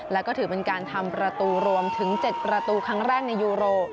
และก็ถือเป็นการทำประตูรวมถึง๗ประตูครั้งแรกในยูโร